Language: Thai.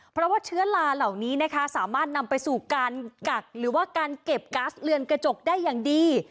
เพราะว่าเชื้อลาเหล่านี้นะคะสามารถนำไปสู่การกักหรือว่าการเก็บก๊าซเรือนกระจกได้อย่างดี